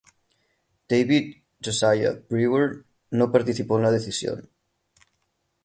David Josiah Brewer no participó en la decisión.